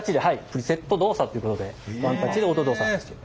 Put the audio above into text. プリセット動作ということでワンタッチでオート動作。